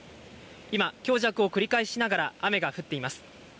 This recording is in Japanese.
今、強弱を繰り返しながら雨が降っています。